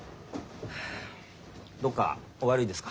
どこかお悪いですか？